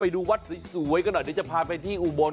ดูวัดสวยกันหน่อยเดี๋ยวจะพาไปที่อุบล